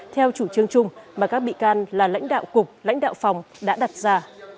theo chủ trương chung mà các bị can là lãnh đạo cục lãnh đạo phòng đã đặt ra